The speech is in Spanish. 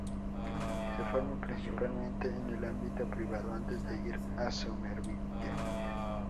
Se formó principalmente en el ámbito privado antes de ir a Somerville.